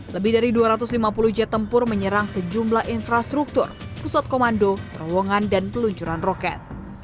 lebih dari dua ratus lima puluh jet tempur menyerang sejumlah infrastruktur pusat komando terowongan dan peluncuran roket